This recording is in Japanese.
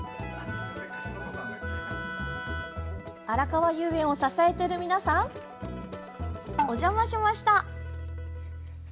あらかわ遊園を支えている皆さん、お邪魔しました。